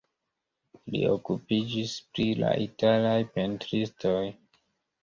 Li okupiĝis pri la italaj pentristoj.